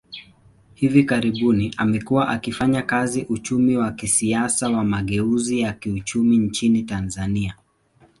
Hivi karibuni, amekuwa akifanya kazi uchumi wa kisiasa wa mageuzi ya kiuchumi nchini Tanzania.